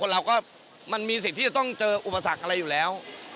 แล้วผมเห็นชั้นเจออุปสรรคอะไรอยู่แล้ว